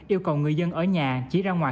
yêu cầu người dân ở nhà chỉ ra ngoài